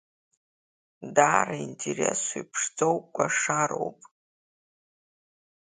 Даара интересу иԥшӡоу кәашароуп.